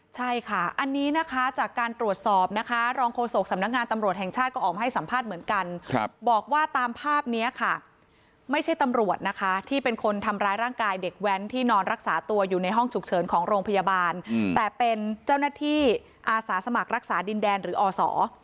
ใช่ค่ะอันนี้นะคะจากการตรวจสอบนะคะรองโฆษกสำนักงานตำรวจแห่งชาติก็ออกมาให้สัมภาษณ์เหมือนกันบอกว่าตามภาพนี้ค่ะไม่ใช่ตำรวจนะคะที่เป็นคนทำร้ายร่างกายเด็กแว้นที่นอนรักษาตัวอยู่ในห้องฉุกเฉินของโรงพยาบาลแต่เป็นเจ้าหน้าที่อาสาสมัครรักษาดินแดนหรืออศ